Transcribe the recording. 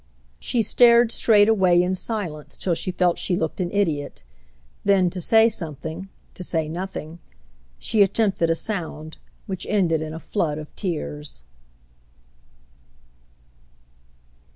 She stared straight away in silence till she felt she looked an idiot; then, to say something, to say nothing, she attempted a sound which ended in a flood of tears.